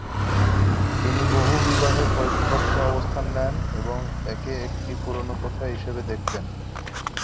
তিনি বহুবিবাহের বিপক্ষে অবস্থান নেন এবং একে একটি পুরোনো প্রথা হিসেবে দেখতেন।